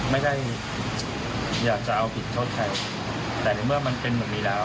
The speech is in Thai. ไม่ได้อยากจะเอาผิดโทษใครแต่ในเมื่อมันเป็นแบบนี้แล้ว